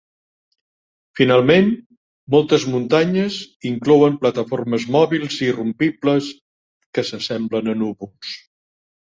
Finalment, moltes muntanyes inclouen plataformes mòbils irrompibles que s'assemblen a núvols.